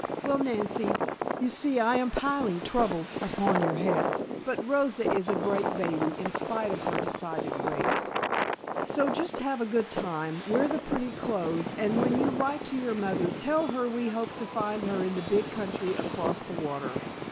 "Well, Nancy, you see I am piling troubles upon your head, but Rosa is a great baby in spite of her decided ways. So just have a good time, wear the pretty clothes, and when you write to your mother tell her we hope to find her in the big country across the water.